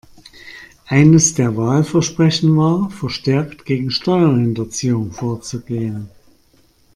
Eines der Wahlversprechen war, verstärkt gegen Steuerhinterziehung vorzugehen.